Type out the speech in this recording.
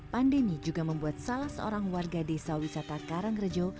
pandemi juga membuat salah seorang warga desa wisata karangrejo